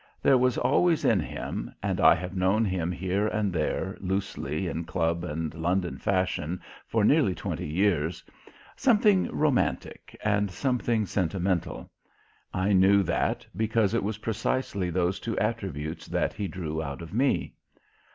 There was always in him and I have known him here and there, loosely, in club and London fashion, for nearly twenty years something romantic and something sentimental. I knew that because it was precisely those two attributes that he drew out of me.